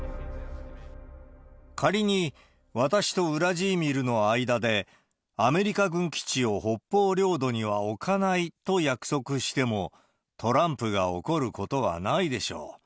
仮に、私とウラジーミルの間で、アメリカ軍基地を北方領土には置かないと約束しても、トランプが怒ることはないでしょう。